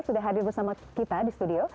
sudah hadir bersama kita di studio